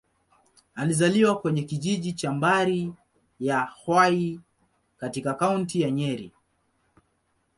Alizaliwa kwenye kijiji cha Mbari-ya-Hwai, katika Kaunti ya Nyeri.